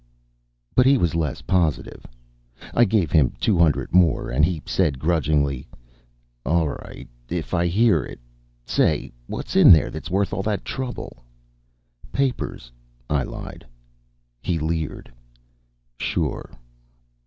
But he was less positive. I gave him two hundred more and he said grudgingly: "All right. If I hear it. Say, what's in there that's worth all that trouble?" "Papers," I lied. He leered. "Sure."